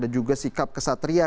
dan juga sikap kesatria